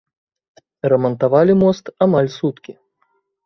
Рамантавалі мост амаль суткі.